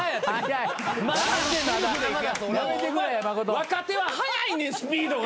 若手ははやいねんスピードが。